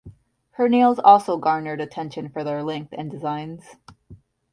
Her nails also garnered attention for their length and designs.